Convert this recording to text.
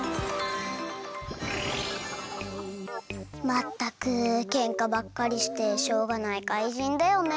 まったくケンカばっかりしてしょうがないかいじんだよね。